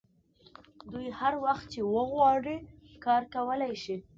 دوی هر وخت چې وغواړي کار کولی شي